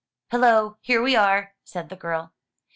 "Hello! here we are!" said the girl.